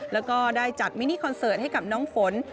แล้วก็ได้จัดมินิคอนเสิร์ตให้กับน้องฝน